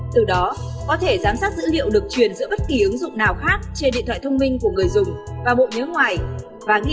từ đó có thể giám sát dữ liệu được truyền giữa bất kỳ ứng dụng nào khác trên điện thoại thông minh của người dùng và bộ nhớ ngoài